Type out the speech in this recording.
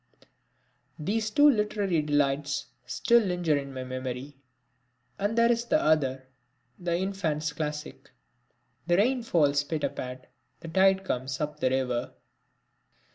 These two literary delights still linger in my memory and there is the other, the infants' classic: "The rain falls pit a pat, the tide comes up the river."